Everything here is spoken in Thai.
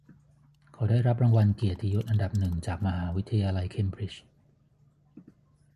เขาได้รับรางวัลเกียรติยศอันดับหนึ่งจากมหาวิทยาลัยเคมบริดจ์